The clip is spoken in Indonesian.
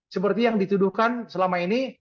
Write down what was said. seperti yang dituduhkan selama ini